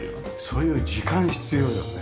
そういう時間必要よね。